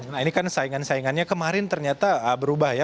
nah ini kan saingan saingannya kemarin ternyata berubah ya